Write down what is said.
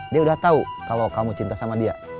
dia udah tau kalau kamu cinta sama dia